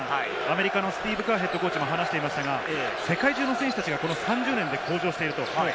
アメリカのスティーブ・カーＨＣも話していましたが、世界中の選手たちが３０年で登場していると。